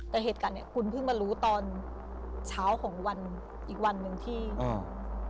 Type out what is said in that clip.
แต่เหตุการณ์เนี้ยคุณเพิ่งมารู้ตอนเช้าของวันอีกวันหนึ่งที่อ่า